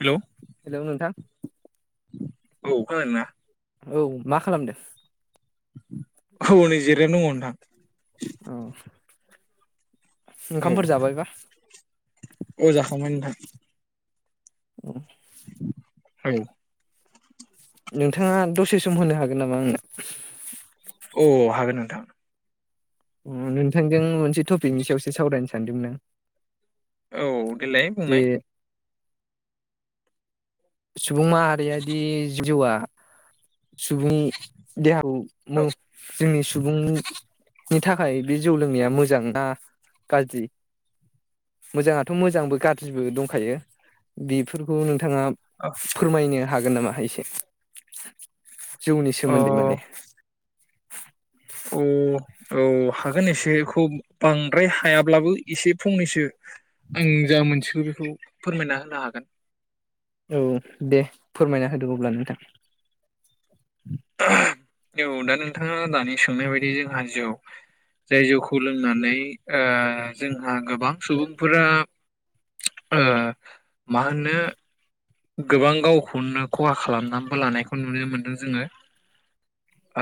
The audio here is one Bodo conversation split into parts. हेल'। हेल' नोंथां। औ खोनादोंना? औ मा खालामदों? औ नै जिरायना दं नोंथां। औ। औ ओंखामफोर जाबायबा औ जाखांबाय नोंथां। औ। औ। नोंथाङा दसे सम होनो हागोन नामा आंनो? औ हागोन नोंथां। नोंथांजों मोनसे टपिकनि सायावसो सावरायनो सानदोंमोन आं। औ देलाय जे बुंनाय। सुबुं माहारियादि जिउआ सुबुं देहा खौ मो औ जोंनि सुबुं नि थाखाय बे जौ लोंनाया मोजांना गाज्रि मोजांङाथ' मोजांबो गाज्रिबो दंखायो बेफोरखौ नोंथांङा अ फोरमायनो हागोन नामा एसे? जौनि अ सोमोन्दै माने अ। औ हागोन एसेखौ बांद्राय हायाब्लाबो एसे फंनैसो आं जा मोनथिगौ बेखौ फोरमायना होनो हागोन। औ दे फोरमायना होदो अब्ला नोंथां। औ दा नोंथाङा दानि सोंनाय बायदि जोंहा जौ जाय जौखौ लोंनानै ओ जोंहा गोबां सुबुंफोरा ओ मा होनो गोबां गावखौनो खहा खालामनानैबो लानायखौ नुनो मोनदों जोङो।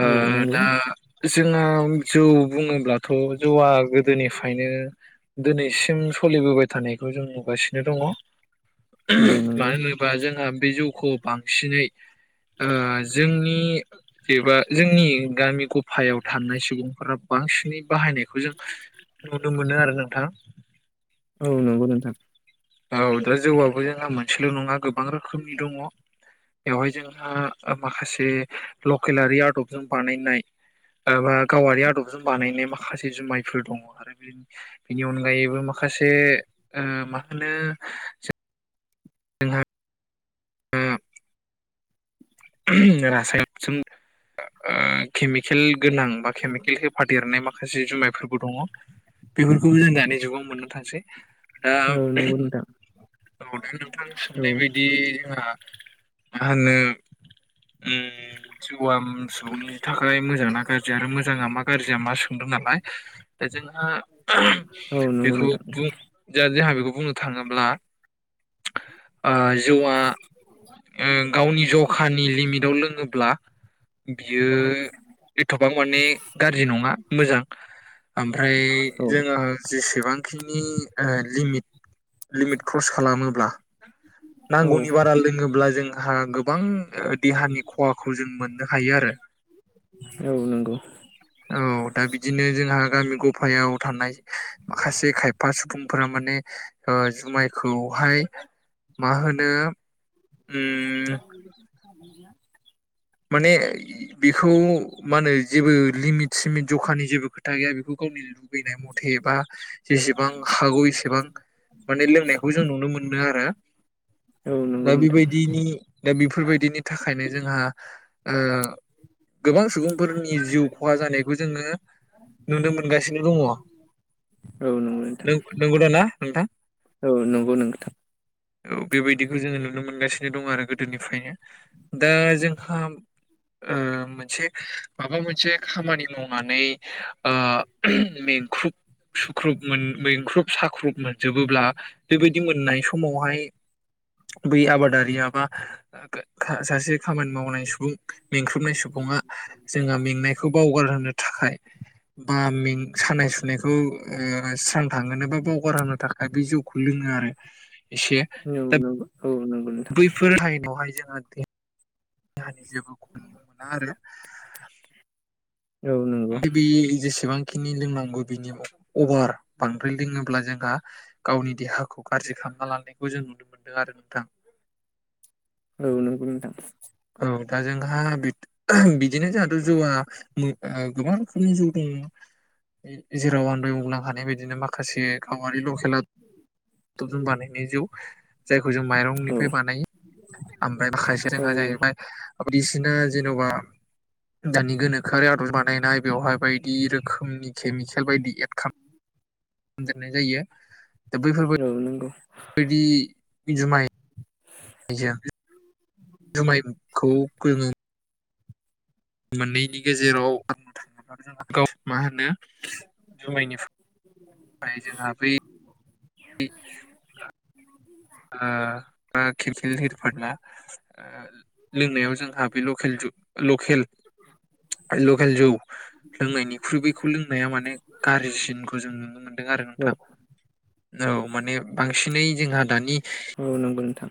ओ औ नंगौ दा जोंहा जौ बुङोब्लाथ' जौआ गोदोनिफ्रायनो दिनैसिम सोलिबोबाय थानायखौ जों नुगासिनो दङ। औ नंगौ म जोंहा बे जौखौ बांसिनै आ जोंनि एबा जोंनि गामि गफायाव थानाय सुबुंफोरा बांसिनै बाहायनायखौ जों नुनो मोनो आरो नोंथां। औ नोंगौ नोंथां। औ दा जौआबो जोंहा मोनसेल' नङा गोबां रोखोमनि दङ बेवहाय जोंहा माखासे लकेलारि आदबजों बानायनायबा गावारि आदबजों बानायनाय माखासे जुमायफोर दङ आरो। बेनि अनगायैबो माखासे नो जोंहा अम रासायन केमकेल गोनां बा केमिकेल होफा देरनाय माखासे जुमायफोरबो दंङ। बेफोरखौबो जों दानि जुगाव मोननो थांसै दा औ नंगौ नोंथां औ दा नोंथां औ सोंनाय बायदि जोंहा। आंङो अम वार्म सनि थाखाय मोजां ना गाज्रि आरो मोजाङा मा गाज्रिया मा सोंदों नालाय। [inaudible] औ नंगौ बेखौ नोंथां बुंङो जोंहा बेखौ बुंनो थांङोब्ला जौआ गावनि ज जखानानि लिमिटआव लों अब्ला बियो एथ'बां माने गाज्रि नङा मोजां ओमफ्राय औ जोङो जेसेबांखिनि लिमिट लिमिट क्रस खालामोब्ला। औ नांगौनि बारा लोङोब्ला जों। हा गोबां देहानि खहाखौ जों मोनो। आरो औ नंगौ औ दा बिदिनो जोंहा। गामि गफायाव थानाय माखासे खायफा सुबुं फोर माने जुमायखौहाय, मा होनो? उम [inaudible] जया [inaudible] माने बेखौ मा होनो? जेबो लिमिट सिमिट जखानि जेबो खोथा गैया बेखौ गावनि लुबैनाय मथे एबा जेसेबां हागौ एसेबां माने लोंनायखौ जों नुनो मोनो आरो औ दा नंगौ नोंथां बेबायदिनि दा बेफोरबायदिनि थाखायनो जोंहा‌। गोबां सुबुंफोरनि जिउ खहा जानायखौ जोंङो नुनो मोनगासिनो दंङ। औ नंगौ नोंथां नोंगौ दा ना नोंथां औ नंगौ नोंथां। औ बेबायदिखौ जोङो नुनो मोनगासिनो दङ आरो गोदोनिफ्रायनो। दा जों खा ओ मोनसे माबा मोनसे खामानि मावनानै ओ ओहोम मेंख्रुब सुख्रुब मोन मेंख्रुब साख्रुब मोनजोबोब्ला बेबायदि मोननाय समावहाय बै आबादारिआ बा ओ-खा-ओ-सासे खामान मावनाय सुबुं मेंख्रुबनाय सुबुङा जोंहा मेंनायखौ बावगार होनो थाखाय बा में-सानाय सुनायखौ ओ स्रां थांहोनो बा बावगारहोनो थाखाय बे जौखौ लोङो आरो एसे दा नों-नोंगो। बैफोर हाइनावहाय जोङो [unintelligible] देहानि जेबो खम मोना आरो। औ नंगौ बि बि जेसेबां ख खिनि लोंनांगौ बिनि अभार बांद्राय लोङोब्ला जोंहा गावनि देहाखौ गारजि खालामना लानायखौ जों नुनो मोनदों आरो नोंथां। औ नोंगौ नोंथां। औ दा जोंहा बिद ओहो बिदिनो जान जौआ मो ओ गोबां रोखोमनि जौ दं जेराव आं दहाय बुंलांखांनाय बायदिनो माखासे गावारि ल' सोल'। [unintelligible] बानायनाय जौ। जायखौ जों औ माइरंनिफ्राय बानायो आमफ्राय माखासे औ रोङा जाहैबाय बायदिसिना जेन'बा दानि गोनोखोआरि आदर बानायनाय बेवहाय बायदि रोखोमनि केमिकेल बायदि एद खाम देननाय जायो दा बैफोर बाय औ नंगौ। बिदि जुमाइ [unintelligible] जुमाइखौ गोङो। मोननैनि गेजेराव बुंंनो थाङोब्ला जोंहा गाव मा होनो जुमायनिफ [inaudible] ओमफ्राय जोंहा बै बि ओ ओ बा खिरखिलि हेरि फानला। ओ लोंनायाव जोंहा बे लकेल ज लकेल लकेल जौ लोंनायनिख्रुइ बैखौ लोंनाया माने गारजिसिनखौ जों नुनो मोनदों आरो औ नोंथां। औ माने बांसिनै जोंहा दानि औ नंगौ नोंथां।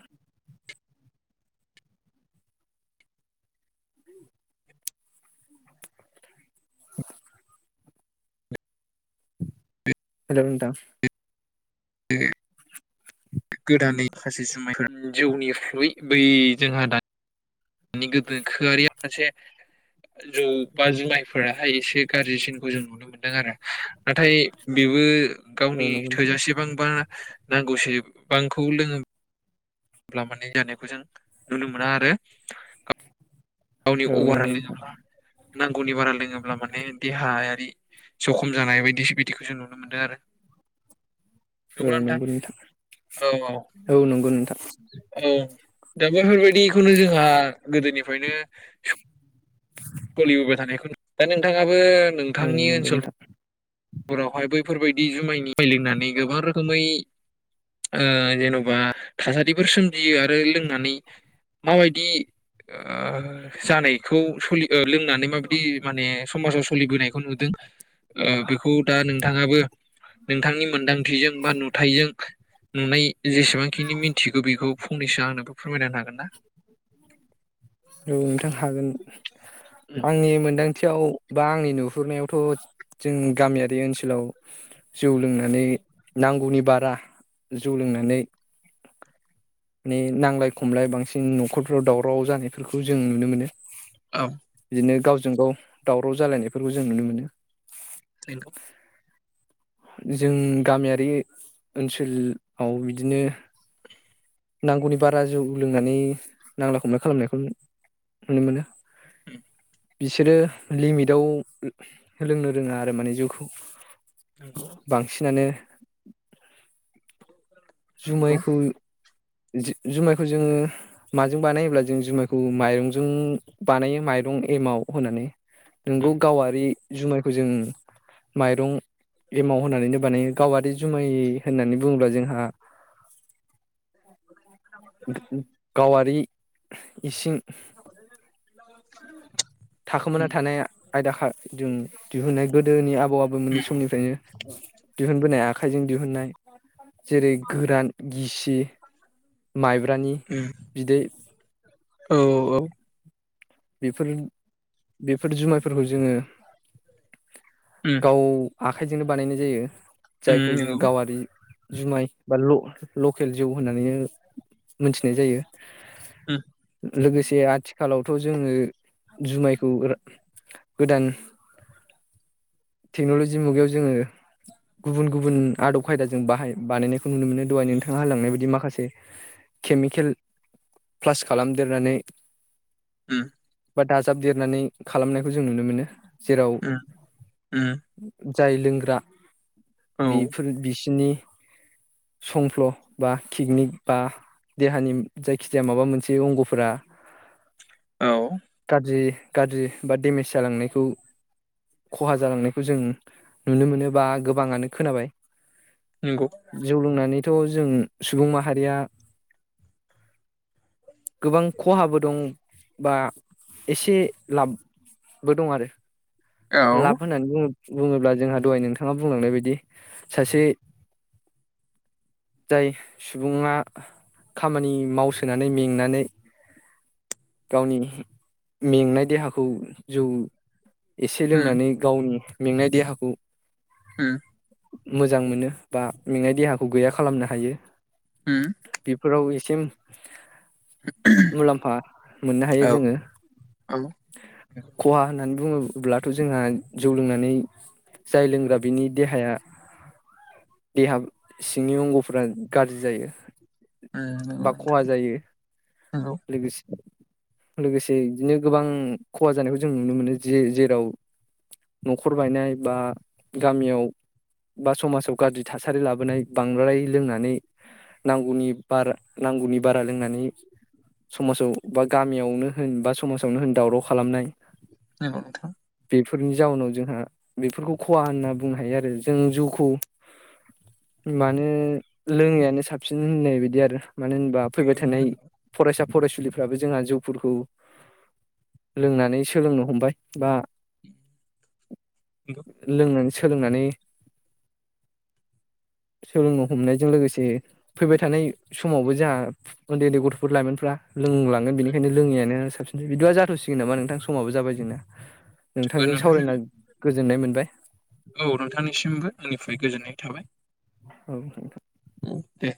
हेलौ नोंथां। दो गोदानै माखासे जुमाइफोर जिउनिख्रुय बै जोंहा दान नि गोनोखोआरिया मोनसे जौ बा जुमाइ फोराहाय एसे गाज्रिसिनखौ जों नुनो मोनदों आरो नाथाय बेबो औ गावनि नंगौ नोंथां थोजासेबांबा नांगौसेबांखौ लोङोब्ला माने जानायखौ जों नुनो मोना आरो गावनि औ अभारा नंगौ नोंथां लोङोब्ला नांगौनि बारा लोङोब्ला माने देहाया बि जखम जानाय बायदिस बिदिखौ जों नुनो मोनदो आरो औ नंगौ नोंथां औ नंगौ नोंथां। औ दा बेफोरबायदिखौनो जोंहा गोदोनिफ्रायनो [unintelligible] सोलिबोबाय थानायखौ दा नोंथाङा बो औ नोंथांनि नंगौ ओनसोल नोंथां हरावहाय बैफोरबायदि जुमायनि जुमाय लोंनानै गोबां रोखोमै ओ जेन'बा थासारिफोर सोमजियो आरो लोंनानै माबायदि ओ जानायखौ सलि लोंनानै माबायदि माने समाजाव सोलिबोनायखौ नुदों ओ बे मोनदांथिजों बा नुथाइजों नुनाय जेसेबांखिनि मिनथिगौ बेखौ फंनैसो आंनोबो फो औ नोंथां हागोन आंनि मोनदां थियाव बा आंनि नुहुरनायावथ' जों गामियारि ओनसोलाव जौ लोंनानै नांगौनि बारा जौ लोंनानै माने नांलाय खमलाय बांसिन न'खरफ्राव दावराव जानायफोरखौ जों नुनो मोनो। औ बिनो गाव जों गाव दावराव जालायनायफोरखौ जों नुनो मोनो। नंगौ जों गामियारि ओनसोलाव बिदिनो नांगौनि बारा जौ लोंनानै नांलाय खमलाय खालामनायखौ नुनो मोनो। बिसोरो लिमिटाव लोंनो रोङा आरो माने जौखौ नंगौ बांसिनानो नंगौ जुमायखौ जु-जुमायखौ जों माजों बानायोब्ला जों जुमाइखौ माइरंजों बानायो माइरं एमाव होनानै नोंगौ गावारि जुमायखौ जों माइरं एमाव होनानैनो बानायो गावारि जुमाय होननानै बुङोब्ला जोंहा गावारि इसिं [unintelligible] थाखोमाना थानाय आयदाखा जों दिहुननाय गोदोनि आबौ आबौमोननि समनिफ्रायनो दिहुनबोनाय आ आखाइजों दिहुनन्नाय जेरै गोरान गिसि माइब्रानि बिदै ओम औ औ बेफोर बेफोर जुमायफोरखौ जोङो गाव आखाइजोंनो बानायनाय जायो। जायखौ जों गावारि जुमाय बा ल-लकेल जौ होननानै मोनथिनाय जायो। उम। लोगोसे आथिखालावथ' जोङो जुमायखौ गोदान टेक्न'लजि मुगायाव जोङो गुबुन गुबुन आदब खायदाजों बाहाय बानायनायखौ नुनो मोनो दहाय नोंथाङा होलांनाय बायदि माखासे केमिकेल प्लास खालामदेरनानै उम। बा दाजाब देरनानै खालामनायखौ जों नुनो मोनो। जेराव जाय लोंग्रा औ नंगौ औ बेफोर बिसिनि संफ्ल' बा किडनिख बा देहानि जायखिजाया माबा मोनसे अंग'फोरा औ गाज्रि गाज्रि बा देमेज जालांनायखौ खहा जालांनायखौ जों नुनो मोनो बा गोबाङानो खोनाबाय। जौ लोंनानैथ' जों सुबुं मा हारिया गोबां खहाबो दं बा एसे लाबबो दं आरो। लाफ होननानै बुं ङोब्ला जोंहा दहाय नोंथाङा बुंलांनाय बायदि सासे जाय सुबुङा खामानि मावसोनानै मेंनानै गावनि मेंनाय देहाखौ जौ एसे नंगौ लोंनानै गावनि मेंनाय देहाखौ उम। मोजां मोनो बा मेंनाय देहाखौ गैया खालामनो हायो। औ बेफोराव ए से मुलाम्फा मोननो हायो औ जोङो। उम खहा होननानै बुङो ब्लाथ' जोंहा जौ लोंनानै जाय लोंग्रा बिनि देहाया देहा सिंनि अंगफ्रा गाज्रि जायो। नंगौ बा नोंथां खहा जायो नंगौ लोगोसे लोगोसे बिदिनो गोबां खहा जानायखौ जों नुनो मोनो जे जे न'खर बायनाय बा गामियाव बा समाजाव गाज्रि थासारि लाबोनाय बांद्राय लोंनानै नांगौनि बारा नांगौनि बारा लोंनानै समाजाव बा गामियावनो होन बा समाजावनो होन दावराव खालामनाय। नोंगौ नोंथां। बेफोरनि जाउनाव जोंहा बेफोरखौ खहा होनना बुंनो हायो आरो जों जौखौ माने लोङैयानो साबसिन होननाय बायदि आरो। मानो होनबा फैबाय नंगौ थानाय नोंथां फरायसा फरायसुलिफ्राबो जोंहा जौफोरखौ लोंनानै सोलोंनो हमबाय। बा। लोंनानै सोलोंनानै सोलोंनो हमनायजों लोगोसे फैबाय थानाय समावबो जोंहा उन्दै उन्दै गथ'फोर लाइमोनफ्रा लोंलांगोन बेनिखायनो लोङैयानो साबसिन बिदि जाथ'सिगोन नामा नोंथां समावबो जाबाय जोंना। नंगौ नोंथांजों सावरायना। नोंथां गोजोननाय मोनबाय औ नोंथांनिसिमबो आंनिफ्राय गोजोननाय थाबाय औ स अ दे